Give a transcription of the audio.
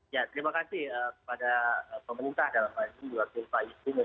ya terima kasih kepada pemerintah dalam hal ini juga ke pak justino